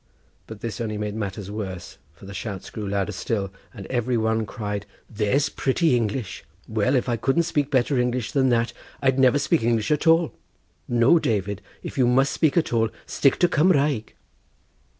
But this only made matters worse, for the shouts grew louder still, and every one cried: "There's pretty English! Well, if I couldn't speak English better than that I'd never speak English at all. No, David; if you must speak at all, stick to Cumraeg."